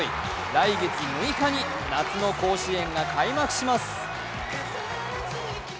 来月６日に夏の甲子園が開幕します。